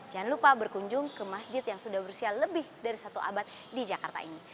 jangan lupa berkunjung ke masjid yang sudah berusia lebih dari satu abad di jakarta ini